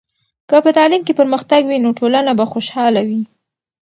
که په تعلیم کې پرمختګ وي، نو ټولنه به خوشحاله وي.